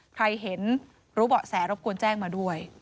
ใครเห็นรู้เบาะแสรบกวนแจ้งมาด้วย